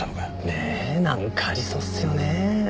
ねぇなんかありそうっすよねぇ。